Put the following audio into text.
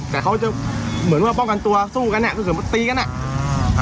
แต่เขาจะเหมือนว่าป้องกันตัวสู้กันแหละก็ถือว่าตีกันแหละอ่า